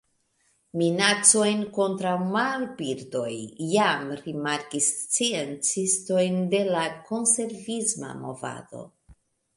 Minacojn kontraŭ marbirdoj jam rimarkis sciencistoj de la konservisma movado.